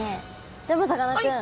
でもさかなクン